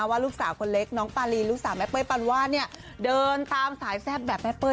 ว่าลูกสาวคนเล็กน้องปารีลูกสาวแม่เป้ยปานวาดเนี่ยเดินตามสายแซ่บแบบแม่เป้ย